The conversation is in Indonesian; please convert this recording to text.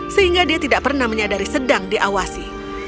sehingga dia tidak pernah menyadari sedang diawasi